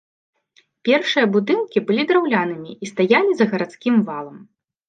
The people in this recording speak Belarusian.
Першыя будынкі былі драўлянымі і стаялі за гарадскім валам.